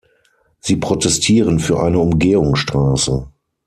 Sie protestieren für eine Umgehungsstraße.